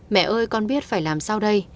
mẹ ơi con biết phải làm sao đây